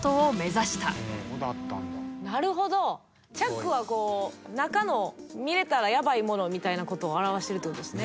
なるほどチャックはこう中の見れたらヤバイものみたいなことを表してるってことですね。